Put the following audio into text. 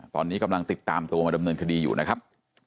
ตอนนี้กำลังติดตามตัวมาดำเนินคดีอยู่นะครับ